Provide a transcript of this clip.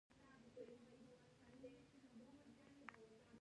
دوی کولای شو توکي په خپله خوښه وپلوري